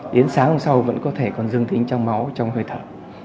đến sáng hôm sau vẫn có thể còn dương tính trong máu trong hơi thở